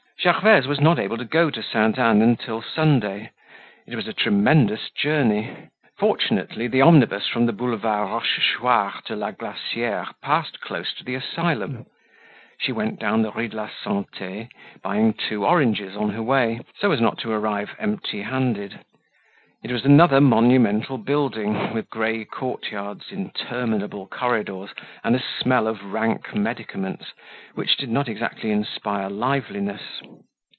Gervaise was not able to go to Sainte Anne until Sunday. It was a tremendous journey. Fortunately, the omnibus from the Boulevard Rochechouart to La Glaciere passed close to the asylum. She went down the Rue de la Sante, buying two oranges on her way, so as not to arrive empty handed. It was another monumental building, with grey courtyards, interminable corridors and a smell of rank medicaments, which did not exactly inspire liveliness.